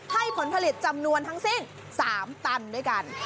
ผลผลิตจำนวนทั้งสิ้น๓ตันด้วยกัน